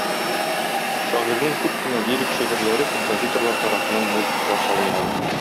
Шагыйрьнең күп кенә лирик шигырьләре композиторлар тарафыннан музыкага салынган.